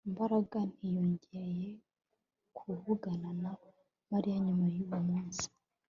Mbaraga ntiyongeye kuvugana na Mariya nyuma yuwo munsi